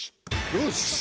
よし！